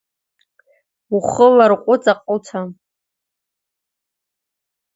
Ухы ларҟәы, ҵаҟа уца!